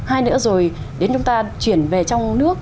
hai nữa rồi đến chúng ta chuyển về trong nước